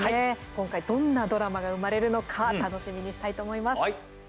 今回どんなドラマが生まれるのか楽しみにしたいと思います。